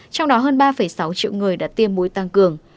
trong đó hơn ba sáu triệu người đã tiêm muối tăng cường